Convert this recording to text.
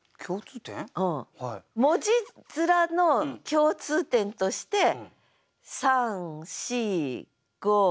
文字面の共通点として３４５辺り？